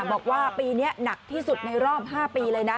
บอกว่าปีนี้หนักที่สุดในรอบ๕ปีเลยนะ